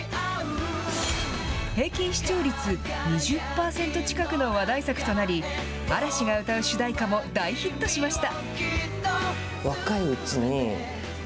平均視聴率２０％近くの話題作となり、嵐が歌う主題歌も大ヒットしました。